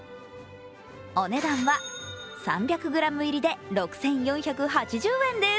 お値段は３００ｇ入りで６４８０円です。